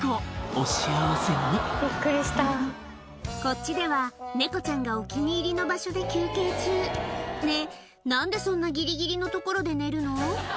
お幸せにこっちでは猫ちゃんがお気に入りの場所で休憩中ねぇ何でそんなギリギリの所で寝るの？